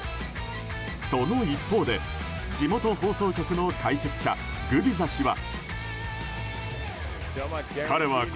その一方で、地元放送局の解説者グビザ氏は。